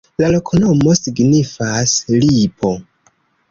La loknomo signifas: lipo.